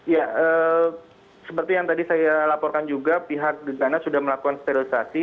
ya seperti yang tadi saya laporkan juga pihak gegana sudah melakukan sterilisasi